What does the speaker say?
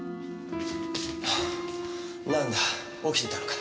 あなんだ起きてたのか。